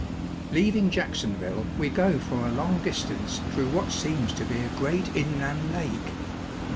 Leaving Jacksonville, we go for a long distance through what seems to be a great inland lake.